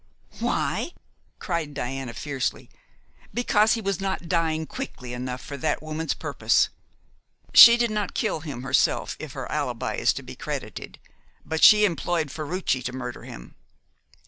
"Why?" cried Diana fiercely. "Because he was not dying quickly enough for that woman's purpose. She did not kill him herself, if her alibi is to be credited, but she employed Ferruci to murder him."